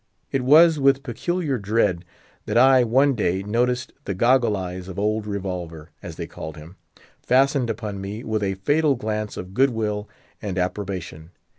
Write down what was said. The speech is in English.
It was with peculiar dread that I one day noticed the goggle eyes of Old Revolver, as they called him, fastened upon me with a fatal glance of good will and approbation.